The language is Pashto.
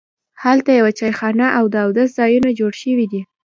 هلته یوه چایخانه او د اودس ځایونه جوړ شوي دي.